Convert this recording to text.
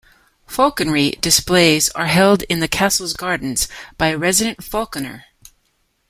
Falconry displays are held in the castle's gardens by a resident Falconer.